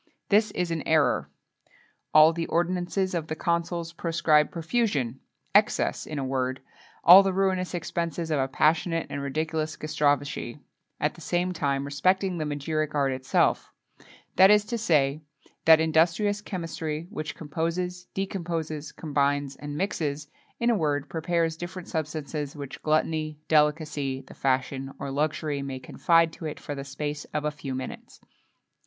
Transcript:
This is an error. All the ordinances of the consuls proscribed profusion, excess in a word, all the ruinous expenses of a passionate and ridiculous gastrophagy,[XXII 6] at the same time, respecting the magiric art itself; that is to say, that industrious chemistry which composes, decomposes, combines, and mixes in a word, prepares different substances which gluttony, delicacy, the fashion, or luxury may confide to it for the space of a few minutes.